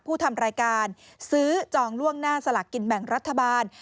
ผู้ทำรายการซื้อจองล่วงหน้าสลักกินแบ่งรัฐบาล